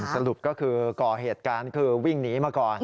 สรุปก็คือก่อเหตุการณ์คือวิ่งหนีมาก่อน